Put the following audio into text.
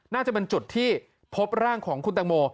น่าจะเป็นจุดที่พบร่างของคุณตังโม